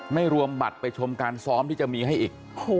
ไม่รวมบัตรไปชมการซ้อมที่จะมีให้อีก